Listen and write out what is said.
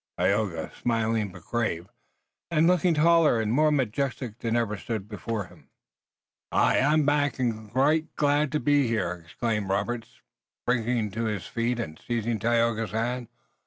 Tayoga, smiling but grave, and looking taller and more majestic than ever, stood before him. "Aye, I'm back, and right glad I am to be here!" exclaimed Robert, springing to his feet and seizing Tayoga's hand.